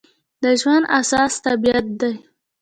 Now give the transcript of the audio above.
د ژوند اساس طبیعت دی.